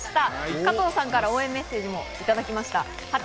加藤さんから応援メッセージもいただきました。